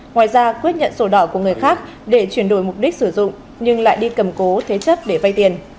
ngoài ra quyết nhận sổ đỏ của người khác để chuyển đổi mục đích sử dụng nhưng lại đi cầm cố thế chấp để vay tiền